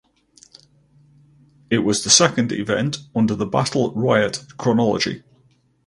It was the second event under the Battle Riot chronology.